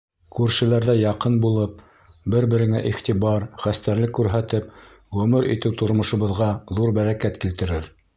Күршеләрҙәй яҡын булып, бер-береңә иғтибар, хәстәрлек күрһәтеп ғүмер итеү тормошобоҙға ҙур бәрәкәт килтерер.